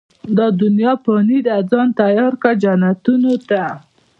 دا دنيا فاني ده، ځان تيار کړه، جنتونو ته